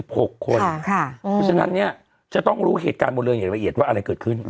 เพราะฉะนั้นเนี่ยจะต้องรู้เหตุการณ์บนเรืออย่างละเอียดว่าอะไรเกิดขึ้น